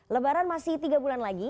lebaran masih tiga bulan lagi